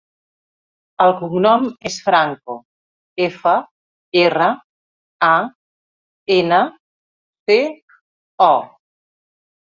El cognom és Franco: efa, erra, a, ena, ce, o.